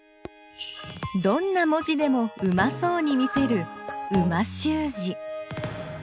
どんな文字でもうまそうに見せる美味しゅう字。